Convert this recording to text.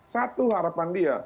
satu harapan dia